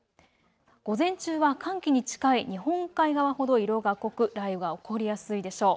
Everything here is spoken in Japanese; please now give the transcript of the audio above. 午前中は寒気に近い日本海側ほど色が濃く、雷雨が起こりやすいでしょう。